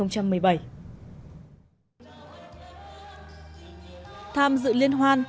tham dự liên hoan